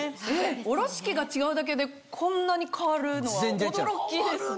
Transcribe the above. おろし器が違うだけでこんなに変わるのは驚きですね。